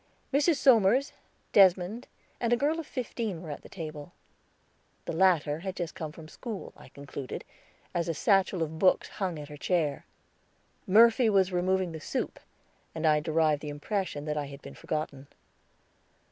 Mrs. Somers, Desmond, and a girl of fifteen were at the table. The latter had just come from school, I concluded, as a satchel of books hung at her chair. Murphy was removing the soup, and I derived the impression that I had been forgotten.